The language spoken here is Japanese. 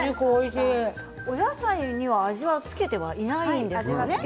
お野菜には、味付けていないんですよね。